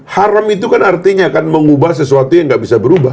haram itu kan artinya kan mengubah sesuatu yang nggak bisa berubah